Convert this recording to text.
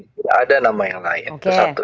tidak ada nama yang lain itu satu